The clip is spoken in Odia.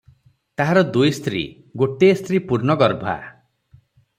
ତାହାର ଦୁଇ ସ୍ତ୍ରୀ, ଗୋଟିଏ ସ୍ତ୍ରୀ ପୂର୍ଣ୍ଣଗର୍ଭା ।